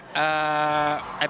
serang member ayunan